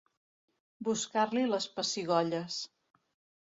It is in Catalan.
Buscar-li les pessigolles.